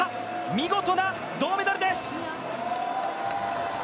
見事な銅メダルです！